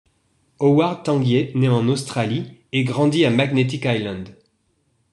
Howard Tangye né en Australie et grandi à Magnetic Island.